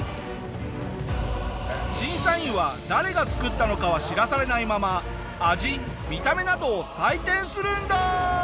審査員は誰が作ったのかは知らされないまま味見た目などを採点するんだ！